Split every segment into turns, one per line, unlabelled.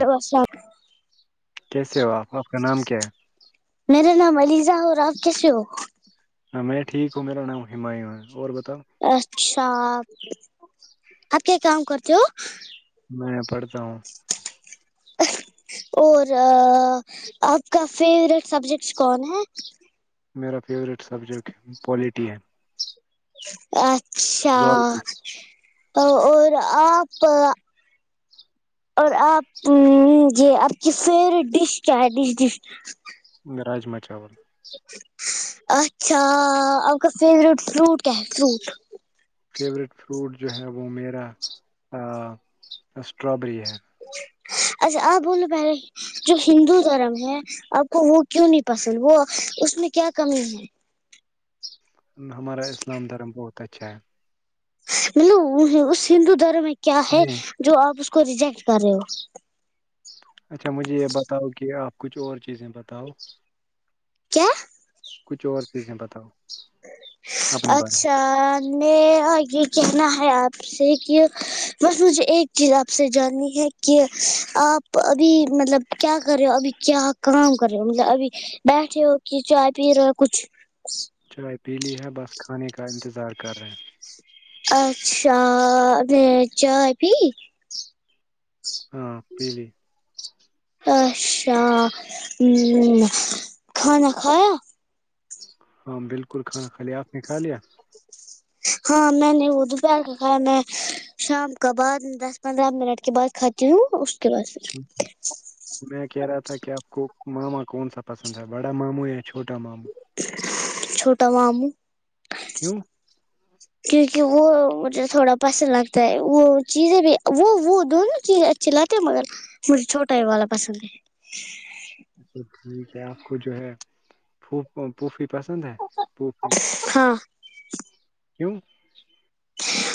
hello السلام
کیسے ہو آپ آپ کا نام کیا ہے
میرا نام علیزہ اور آپ کیسے ہو
ہاں میں ٹھیک ہوں میرا نام ہمایوں ہے اور بتاؤ
اچھا آپ کیا کام کرتے ہو
میں پڑھتا ہوں
[unintelligible] اور آپ کا فیوروریٹ سبجیکٹ کون ہے
میرا فیوریٹ سبجیکٹ پوالیٹی ہے
اچھا
زالجی
اور آپ اور آپ یہ آپ کی فیوریٹ ڈش کیا ہے ڈش ڈش
راجما چاول
اچھا آ کا فورٹ فروٹ کیا ہے فروٹ
[inaudible] فیوریٹ فروٹ جو ہے وہ میرا اسٹرابری ہے
اچھا آ بولو پہلے جو ہندو دھرم ہے آپ کو وہ کیوں نہیں پسند وہ اس میں کیا کمی ہے
ہمارا اسلام دھرم بہت اچھا ہے
مطلو اس ہندو دھرم میں کیا ہے
نہیں
جو آپ اس کو ریجیکٹ کر رہے ہو
اچھا مجھے یہ بتاؤ کہ آپ کچھ اور چیزیں بتاؤ
کیا
کچھ اور چیزیں بتاؤ اپنے بارے میں
اچھا م یہ کہنا ہے آپ سے کہ بس مجھے ایک چیز آپ سے جاننی ہے کہ آپ ابھی مطلب کیا کر رہے ہو ابھی کیا کام کر رہے ہو مطلب ابھی بیٹھے ہو کہ چائے پی رہے ہو کچھ
چائے پی لی ہے بس کھانے کا انتظار کر رہے ہیں
اچھا چائے پی
ہاں پی لی
[inaudible] اچھا ہ کھانا کھایا
ہاں بالکل کھانا کالی آپ نے کھا لیا
ہاں میں نے وہد پ کے کایا میں شام کا بعد دس پندرہ منٹ کے بعد کھاتی ہوں اس کے بعد
میں کہہ رہا تھا کہ آپ کو ماما کون سا پسند ہے بڑا ماموں یا چھوٹا ماموں
چھوٹا ماموں
کیوں
کیونکہ وہ مطلب تھوڑا پسند لگتا ہے وہ چیزیں بھی وہ وہ دونوں چیزیں چلتے مگر مجھے چھوٹا ہےوا پسند ہے
اچھا ٹھیک ہے آپ کو جو ہے پوفی پسند ہے پوفی
ہاں
کیوں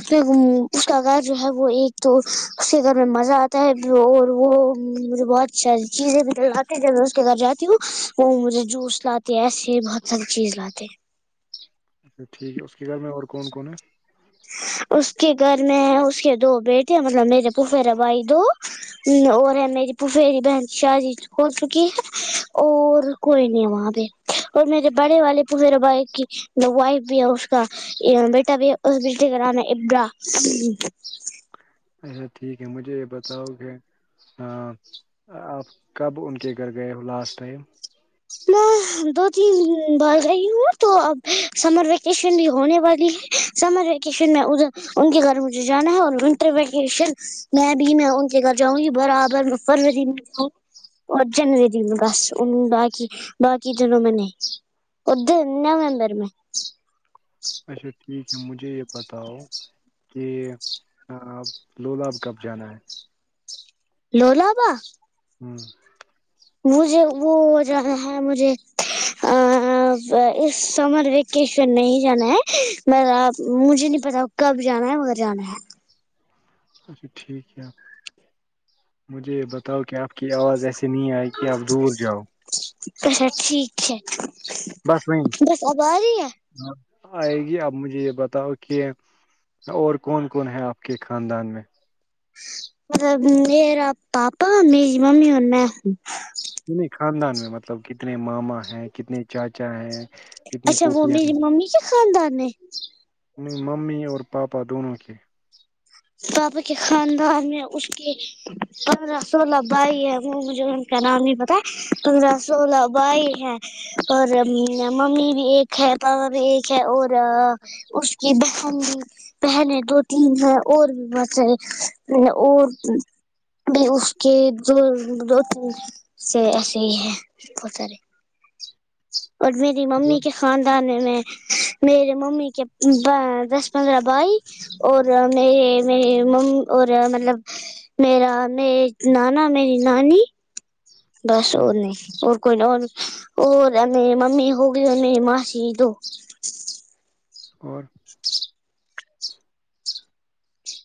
پھر اس کا گھر جو ہے وہ ایک تو اس کے گھر میں مزہ آتا ہے اور وہ مجھے بہت اچھی چیزیں بھی لاتی جب میں اس کے گھر جاتی ہوں وہ مجھے جوس لاتی تیس سے بہت ساری چیز لاتے
اچھا ٹھیک ہے اس کے گھر میں اور کون کون ہے
اس کے گھر میں ہے اس کے دو بیٹے ہیں مطلب میرے پپیرے بھائی دو ہ اور ہے میری بفیری بہن شاہ جی ہو چکی ہے اور کوئی نہیں وہاں پ اور میرے بڑے والے پ میرا بھائی کی وائف بھی ہے اس کا بیٹا بھی ہے اس بیچ کرانانا ابرا
اچھا ٹھیک ہے مجھے یہ بتاؤ کہ ہاں آپ کب ان کے گھر گئے ہو لاسٹ ٹائم
میں دو تین بھر رہی ہوں تو اب سمر ویکیشن بھی ہونے والی ہے سمر ویکیشن میں ادھر ان کے گھر مجھے جانا ہے اور ونٹر ویکیشن میں بھی میں ان کے گھر جاؤں گی برابر فروری میں جاؤں ارجن د جی میں بس اننوں با کہ باقی دونوں میں نے ادھر ممبر میں
اچھا ٹھیک ہے مجھے یہ بتاؤ کہب لولاب کب جانا ہے
لولاابا
ہوں
مجھے وہ جانا ہے مجھے اس سمر ویکیشن نہیں جانا ہے مجھے نہیں پتا کب جا ہے مگر جانا ہے
اچھا ٹھیک ہےپ مجھے یہ بتاؤ کہ آپ کی آواز ایسیے نہیں آئے کہ آپ دور جاؤ
اچھا ٹھیک ہے بس آواز ہی ہے
ہاں آئے گی آپ مجھے یہ بتاؤ کہ اور کون کون ہے آپ کے خاندان میں
میرا پاپا میری ممی اننا
کتنے خاندان میں مطلب کتنے ماما ہیں کتنے چاچا ہے کتنی
اچھا وہ
پوپیاں
میری
ہیں
ممی کے خاندان میں
ممی اور پاپا دونوں کے
پپا کے خاندان میں اس کے پندرہ سولہ بائی ہے وہ مجھے ان کا نام نہیں پتا پندرہ سولہ بائی ہے اور ممی بھی ایک ہے پاپا بھی ایک ہے اور اس کی بہن بھی بہن دو تین ہیں اور بھی ب چاہ اور بھی اس کے دو دو تین سے ایسے ہی ہیں بہت سارے اور میری
ہ
ممی کے خاندان میں میرے ممی کے دس پندرہ بھائی اور مطلب میرا میں نانا میری نانی بس وہ نے کوئی نہ اور اور ای ممی ہوگئی ا ماسی دو
اور
ج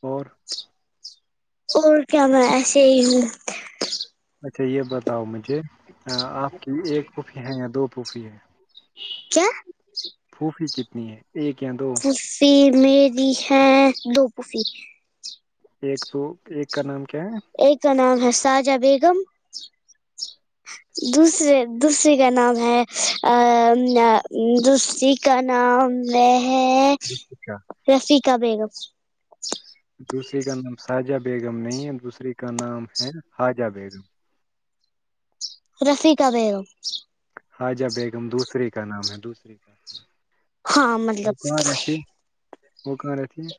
اور
اور کیا میں ایسے ہی
اچھا یہ بتاؤ مجھے آپ کی ایک پھوپھی ہے یا دو پھوپھی ہے
کیا
پھوپی کتنی ہے ایک یا دو
پ میری ہے دو پوفی
ایک سو ایک کا نام کیا ہے
ایک کا نام ہے ساجہ بیگم دوسرے دوسرے کا نام ہے دوسری کا نام میں
اچھا،
رفکا بیگم
دوسری کا نام ساجہ بیگم نہیں ہے دوسری کا نام ہے خاجہ بیگم
رفق دیر
حاجہ بیگم دوسرے کا نام ہے دوسرے کا
ہاں
وہ کہاں
مطلب
رہتی وہ کہاں رہتی ہے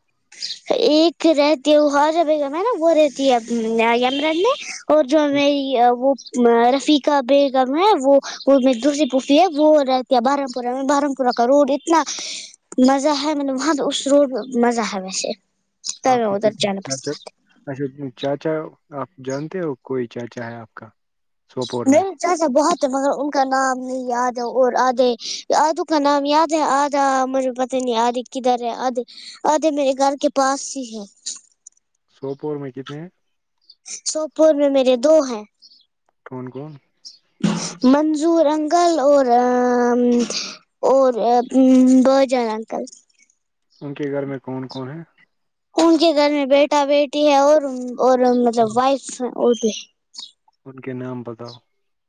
ایک رہتی ہے وہ ہر بی گا نا وہ رہتی ہے یمرن میں اور
ہے
جوی وہ رفیقا بیگم ہے وہ دوسری پوفی ہے وہ رہتی ہے بارہمپورہ میں بارم پا کا روڈ اتنا مزہ ہے مطلب وہاں پہ اس روڈ پہ مزہ ہے ویسے
ہاں
تب
کی ک
ادھر
د
جانا پسند کرتے
اچھا چاچا آپ جانتے ہو کوئی چاچا ہے آپ کا سوپور میں
نہیں اسا بہت ہے مگر ان کا نام نہیں یاد ہے اور آدھے آدو کا نام یاد ہے آدھا م پت نہیں آدے کدھر ہے آدھے آدے میرے گھر کے پاس ہی ہے
سوپور میں کتنے
سوپور میں میرے دو ہیں
کون کون
منظور انکل اور اور بہت جانا اکل
ان کے گھر میں کون کون ہیں
ان کے گھر میں بیٹا بیٹی ہے اور اور مطلب وائف اور بھی
ان کے نام بتاؤ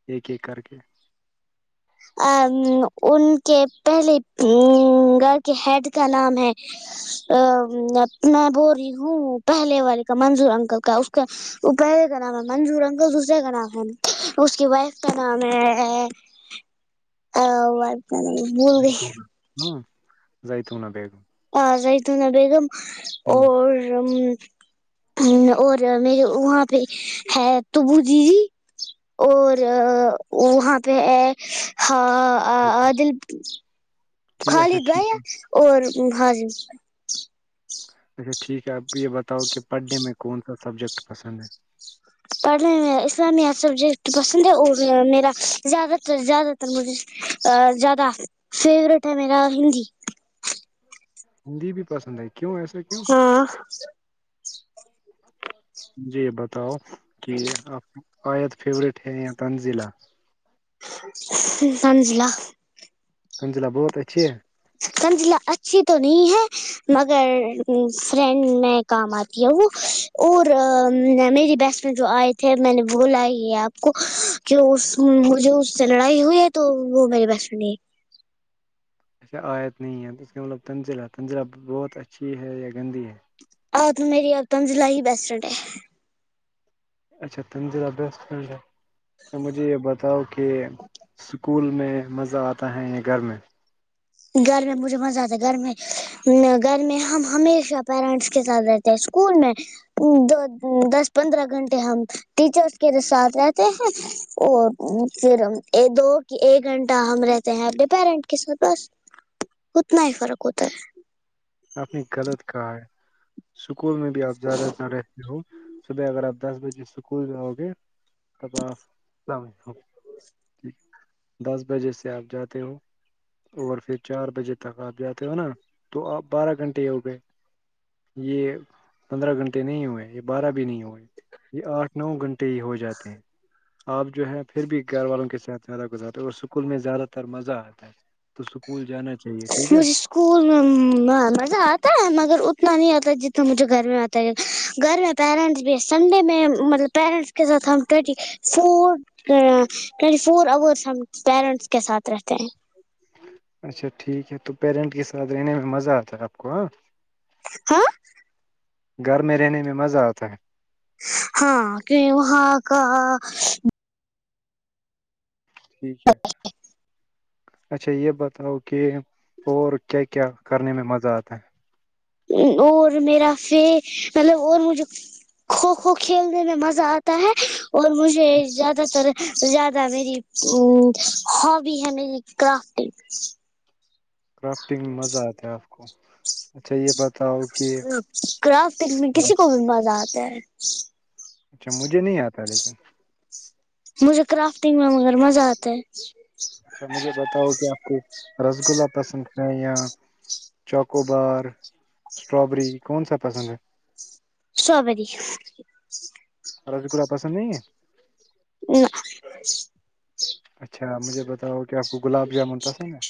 ایک ایک کر کے
ا ان کے پہلے گھر کے ہیڈ کا نام ہے ا میں بول رہی ہوں پہلے والے کا منظور انکل کا اس کا وہ پہلے کا نام ہے منظور ان کا دوسرے کا نام ہے اس کی وائف کا نام ہے ا کا نام بھول گئی
ہ جائ ت ہ نا بیگ
ہ ریتنا بیگم اور اور میرے وہاں پہ ہے تبو ج جی اور وہاں پہ ہے ہاں آ دل
ٹھیک اچھا
خالی
ٹھیک
دائی ہے اور ہاں جی
اچھا ٹھیک ہے آپ کو یہ بتاؤ کہ پڑھنے میں کون سا سبجیکٹ پسند ہے
پڑھنے میں اسلامیہ سبجیکٹ پسند ہے اور میرا زیادہ تر زیادہ مجھے زیادہ فیوریٹ ہے میرا ہندی
ہندی بھی پسند ہے کیوں ایسا کیوں
ہاں
جی بتاؤ کہ آپ کی آید فیوریٹ ہے یا تنزیلا
سانز ل
ححمزلہ بہت اچھی ہے
کنجلا اچھی تو نہیں ہے مگر فریڈ میں کام آتی ہے وہ اور میری بیس میں جو آئے تھے میں نے وہ لائی ہے آپ کو کہ وہ جو اس سے لڑائی ہوئی ہے تو وہ میری بس میں نہیں ہے
اچھا آیت نہیں ہے تو اس کا مطلب تنزلہ ہے تنزلہہ بہت اچھی ہے یا گندی ہے
آپ تو میری آ تمز ل ہی بیسٹ ڈے
اچھا تنندیر ابس تو مجھے یہ بتاؤ کہ اسکول میں مزہ آتا ہے انیں گھر میں
گھر میں مجھے مزہ آتا ہے گھر میں گھر میں ہم ہمیشہ پیرنٹس کے ساتھ رہتے ہیں اسکول میں دو دس پندرہ گھنٹے ہم ٹیچرس کے ساتھ رہتے ہیں اور پھر دو ایک گھنٹہ ہم رہتے ہیں اپنے پیرنٹ کے ساتھ بس اتنا ہی فرق ہوتا ہے
آپ نے غلط کہا ہے اسکول میں بھی آپ زیادہ نہ رہ صبح اگر آپ دس بجے اسکول جاؤ گے تب آپ دس بجے سے آپ جاتے ہو اور پھر چار بجے تک آپ جاتے ہو نا تو آپ بارہ گھنٹے ہو گئے یہ پندرہ گھنٹے نہیں ہوئے یہ بارہ بھی نہیں ہوئے یہ آٹھ نو گھنٹے ہی ہو جاتے ہیں آپ جو ہے پھر بھی گھر والوں کے ساتھ زیادہ گزار اور اسکول میں زیادہ تر مزہ آتا ہے تو اسکول جانا چاہیے ٹھیک ہے
مجھے اسکول میں مزہ آتا ہے مگر اتنا نہیں آتا جتنا مجھے گھر میں آتا گھر میں پیرنٹس بھی سنڈے میں مطلب پیرنٹس کے ساتھ ہم ٹٹی فور ٹوینٹی فور آورس ہم پیرنٹس کے ساتھ رہتے ہیں
اچھا ٹھیک ہے تو پیرنٹ کے ساتھ رہنے میں مزہ آتا ہے آپ کو ہاں
ہاں
گھر میں رہنے میں مزہ آتا ہے
ہاں کہ وہاں کا
ٹھیک ہے اچھا یہ بتاؤ کہ اور کیا کیا کرنے میں مزہ آتا ہے
اور میرا مطلب اور مجھے کھوکھو کھیلنے میں مزہ آتا ہے اور مجھے زیادہ تر زیادہ میری ہابی ہے میری کرافٹنگ
کرافٹنگ میں مزہ آتا ہے آپ کو اچھا یہ بات
کرافٹ دنے میں کسی کو بھی مزہ آتا ہے
اچھا مجھے نہیں آتا لیکن
مجھے کرافٹنگ میں مگر مزہ آتا ہے
اچھا مجھے بتاؤ کہ آپ کو رسگلا پسند ہے یا چوکو بار اسٹرابری کون سا پسند ہے
سٹرابری
رسگولا پسند نہیں ہے
نہیں
اچھا مجھے بتاؤ کہ آپ کو گلاب جامن پسند ہے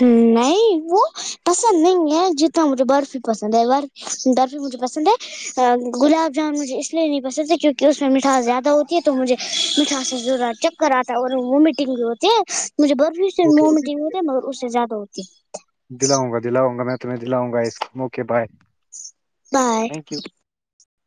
نہیں وہ پسند نہیں ہے جتنا مجھے برفی پسند ہے برفی درف مجھے پسند ہے گلاب جامن مجھے اس لیے نہیں پسند ہے کیونکہ اس میں مٹھاس زیادہ ہوتی ہے تو مجھے مٹھا سے ضرور کر آتا ہے اور ومیٹنگ بھی ہوتی ہے مجھے برفی سے
اوکے اوکے
ومیٹنگ ہوتی ہے مگر اس سے زیادہ ہوتی ہے
دلاؤں گا دلاؤںا میں تمہیں دلاؤںا اسوے بائے
بائے
تھینک یو